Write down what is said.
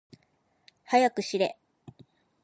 はやくしれ。